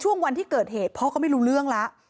วันที่เกิดเหตุพ่อก็ไม่รู้เรื่องแล้ว